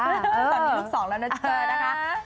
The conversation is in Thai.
ตอนนี้ลูก๒แล้วนะเจอนะคะ